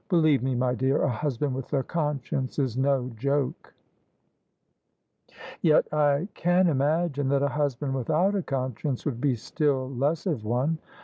Believe me, my dear, a husband with a conscience is no joke I "" Yet I can imagine that a husband without a conscience would be still less of one."